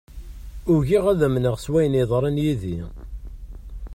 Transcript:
Ugiɣ ad amneɣ s wayen yeḍran yid-i.